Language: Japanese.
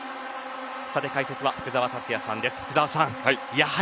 さて解説は福澤達哉さんです。